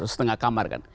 setengah kamar kan